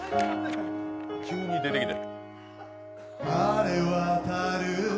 急に出てきた。